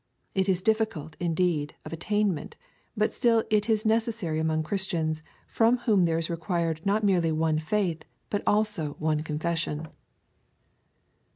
It is difficult, indeed, of attainment, but still it is necessary among Christians, from whom there is required not merely one faith, but also one confession.